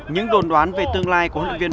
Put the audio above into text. những đồn đoán về tương lai của hội viên